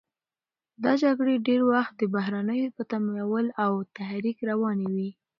دا جګړې ډېری وخت د بهرنیانو په تمویل او تحریک روانې وې.